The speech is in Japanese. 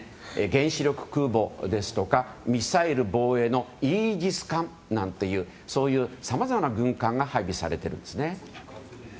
原子力空母ですとかミサイル防衛のイージス艦なんていうそういうさまざまな軍艦が配備されているんです。